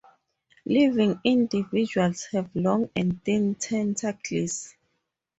Living individuals have long and thin tentacles.